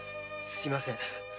すみません。